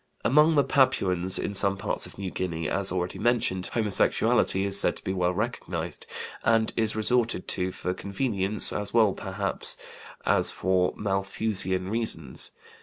Among the Papuans in some parts of New Guinea, as already mentioned, homosexuality is said to be well recognized, and is resorted to for convenience as well, perhaps, as for Malthusian reasons.